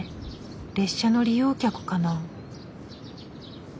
列車の利用客かな？